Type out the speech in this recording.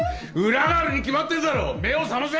裏があるに決まってるだろう目を覚ませ！